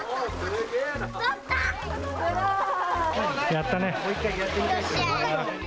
やったね。